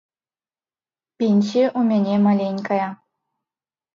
Пенсія ў мяне маленькая.